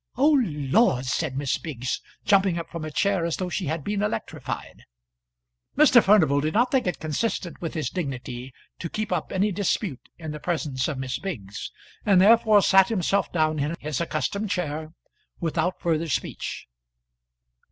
"Oh laws!" said Miss Biggs, jumping up from her chair as though she had been electrified. Mr. Furnival did not think it consistent with his dignity to keep up any dispute in the presence of Miss Biggs, and therefore sat himself down in his accustomed chair without further speech.